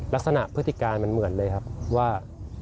พฤติการมันเหมือนเลยครับว่า